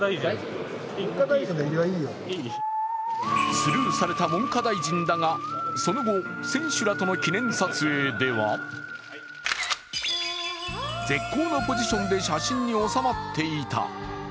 スルーされた文科大臣だがその後、選手らとの記念撮影では絶好のポジションで写真におさまっていた。